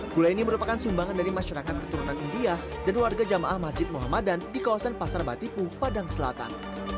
gula ini merupakan sumbangan dari masyarakat keturunan india dan warga jamaah masjid muhammadan di kawasan pasar batipu padang selatan